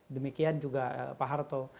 demikian juga pak harto